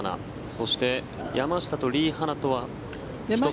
そして山下とリ・ハナとは１つ差。